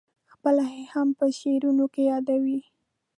خپله یې هم په شعرونو کې یادوې.